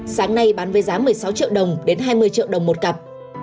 sáng nay bán với giá một mươi sáu triệu đồng đến hai mươi triệu đồng một cặp